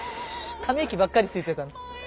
ため息ばっかりついてた。